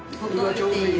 ちょうどいい？